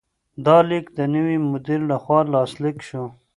دا لیک د نوي مدیر لخوا لاسلیک شو.